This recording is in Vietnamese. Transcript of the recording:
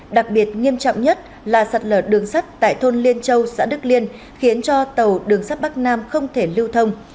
đặc biệt nghiêm trọng nhất là sạt lở đường sắt tại thôn liên châu xã đức liên khiến cho tàu đường sắt bắc nam không thể lưu thông